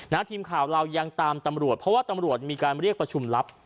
ทีมข่าวเรายังตามตำรวจเพราะว่าตำรวจมีการเรียกประชุมลับ